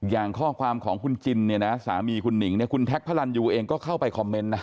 อย่างข้อความของคุณจินเนี่ยนะสามีคุณหนิงเนี่ยคุณแท็กพระรันยูเองก็เข้าไปคอมเมนต์นะ